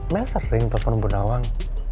mel sering telepon bu nawang